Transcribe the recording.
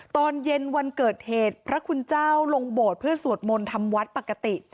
ตอนเย็นวันเกิดเหตุพระคุณเจ้าลงโบสถ์เพื่อสวดมนต์ทำวัดปกติ